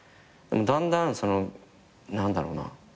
だんだんその何だろうな？